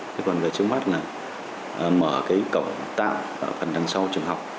thế còn về trước mắt là mở cái cổ tạo ở phần đằng sau trường học